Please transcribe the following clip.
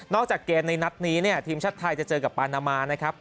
จากเกมในนัดนี้เนี่ยทีมชาติไทยจะเจอกับปานามานะครับ